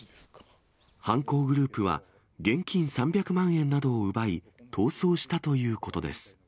犯行グループは現金３００万円などを奪い、逃走したということです。